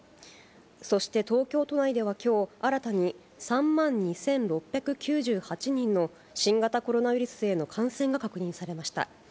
そして東京都内ではきょう、新たに３万２６９８人の新型コロナウイルスへの感染が確認されました。